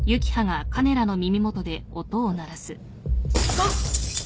あっ！